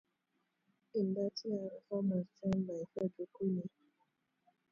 In that year the firm was joined by Frederick Whinney.